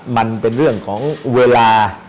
มันเป็นเรื่องของเวลา